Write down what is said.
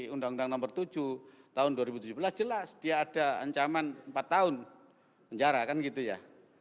undang undang nomor tujuh tahun dua ribu tujuh belas jelas dia ada ancaman empat tahun penjara kan gitu ya